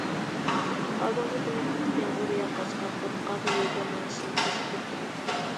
ئالدىنقى كۈنى قاتتىق يامغۇر ياغقاچقا پاتقاق يولدا مېڭىشىمىز تەسكە توختىدى.